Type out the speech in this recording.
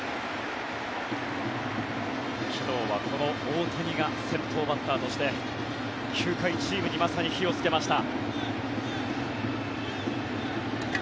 昨日はこの大谷が先頭バッターとして９回、チームにまさに火をつけました。